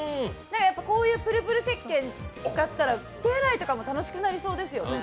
こういうプルプルせっけん使ったらお手洗いとかも楽しくなりそうですよね。